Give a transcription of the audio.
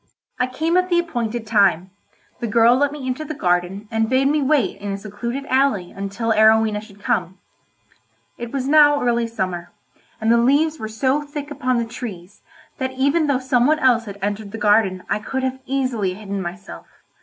I came at the appointed time; the girl let me into the garden and bade me wait in a secluded alley until Arowhena should come. It was now early summer, and the leaves were so thick upon the trees that even though some one else had entered the garden I could have easily hidden myself.